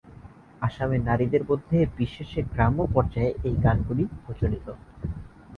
আসামের নারীদের মধ্যে বিশেষে গ্রাম্য পর্যায়ে এই গানগুলি প্রচলিত।